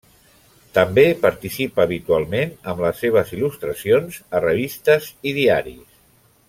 També participa habitualment amb les seves il·lustracions a revistes i diaris.